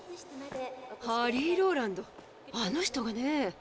ハリー・ローランドあの人がねえ。